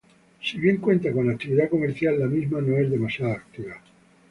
Si bien cuenta con actividad comercial, la misma no es demasiado activa.